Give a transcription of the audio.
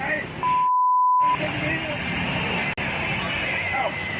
ไหนสินะครับไหน